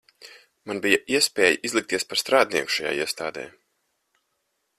Man bija iespēja izlikties par strādnieku šajā iestādē.